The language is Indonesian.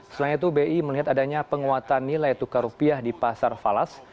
selain itu bi melihat adanya penguatan nilai tukar rupiah di pasar falas